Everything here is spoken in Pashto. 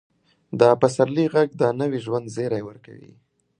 د پسرلي ږغ د نوي ژوند زیری ورکوي.